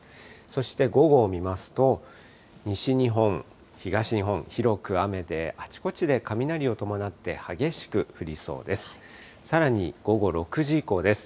そして午後を見ますと、西日本、東日本、広く雨で、あちこちで雷を伴って激しく降りそうです。